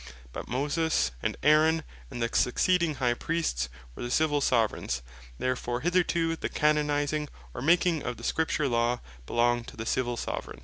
But Moses, and Aaron, and the succeeding High Priests were the Civill Soveraigns. Therefore hitherto, the Canonizing, or making of the Scripture Law, belonged to the Civill Soveraigne.